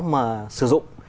mà sử dụng